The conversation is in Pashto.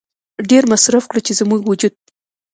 ډېر مصرف کړو چې زموږ وجود